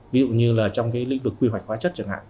ví dụ như là trong cái lĩnh vực quy hoạch hóa chất chẳng hạn